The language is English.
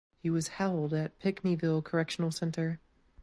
He was held at Pinckneyville Correctional Center.